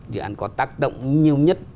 dự án có tác động nhiều nhất